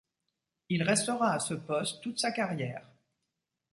Il restera à ce poste toute sa carrière.